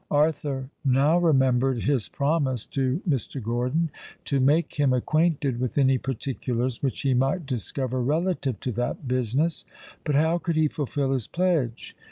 Arthur now remembered his promise to Mr. Gordon to make him acquainted with any particulars which he might discover relative to that business. But how could he fulfil his pledge?